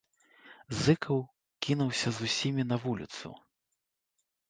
Зыкаў кінуўся з усімі на вуліцу.